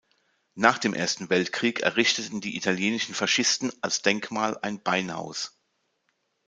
Nach dem Ersten Weltkrieg errichteten die italienischen Faschisten als Denkmal ein Beinhaus.